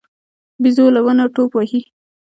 بيزو له ونو ټوپ وهي.